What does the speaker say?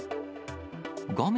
画面